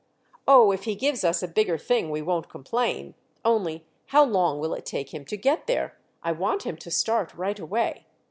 "Oh, if he gives us a bigger thing we won't complain. Only, how long will it take him to get there? I want him to start right away."